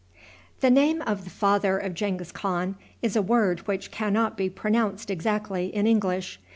The name of the father of Genghis Khan is a word which can not be pronounced exactly in English.